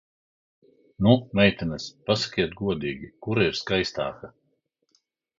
Nu, meitenes, pasakiet godīgi, kura ir skaistāka?